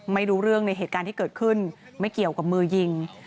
ไม่รู้เรื่องในเหตุการณ์ที่เกิดขึ้นไม่เกี่ยวกับมือยิง